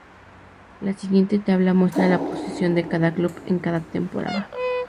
La siguiente tabla muestra la posición de cada club en cada temporada.